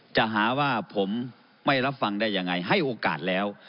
จะหาว่าผมไม่รับฟังได้ยังไงให้โอกาสแล้ว